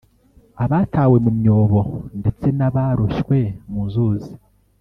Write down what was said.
abatawe mu myobo ndetse n’abaroshywe mu nzuzi